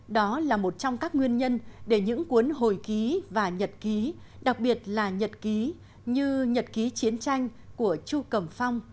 đó là một trong các nguyên nhân để những cuốn hồi ký và nhật ký đặc biệt là nhật ký như nhật ký chiến tranh của chu cẩm phong